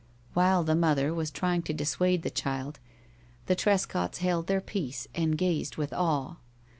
While the mother was trying to dissuade the child, the Trescott's held their peace and gazed with awe.